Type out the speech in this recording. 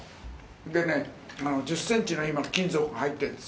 でね、１０センチの今、金属が入ってるんです。